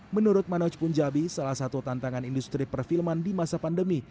menurut manoj punjabi salah satu tantangan industri perfilman di masa pandemi